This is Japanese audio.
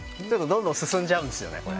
どんどん進んじゃうんですよね。